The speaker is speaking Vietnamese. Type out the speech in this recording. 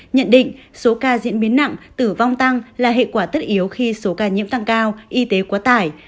nhận định số ca diễn biến nặng tử vong tăng là hệ quả tất yếu khi số ca nhiễm tăng cao y tế quá tải